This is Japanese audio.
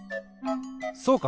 そうか！